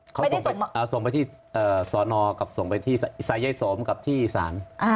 เขาส่งไปที่สอนอกับส่งไปที่สายยายสมกับที่ศาล